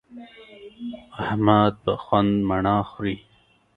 احمد په خوند مڼه خوري.